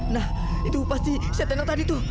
nah itu pas si setenang tadi itu